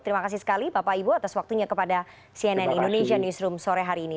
terima kasih sekali bapak ibu atas waktunya kepada cnn indonesia newsroom sore hari ini